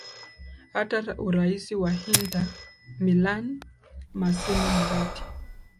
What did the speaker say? hata urais wa inter millam masimo murati